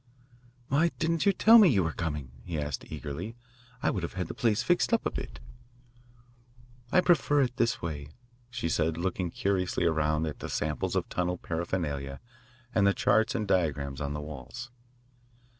"Why didn't you tell me you were coming?" he asked eagerly. "I would have had the place fixed up a bit." I prefer it this way," she said, looking curiously around at the samples of tunnel paraphernalia and the charts and diagrams on the walls.